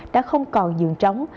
đã không còn dường trống